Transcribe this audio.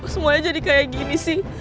semuanya jadi kayak gini sih